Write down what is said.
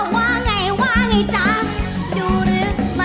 ว่าไงว่าไงจ๊ะ